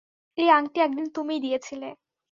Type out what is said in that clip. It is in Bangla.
এই আংটি একদিন তুমিই দিয়েছিলে।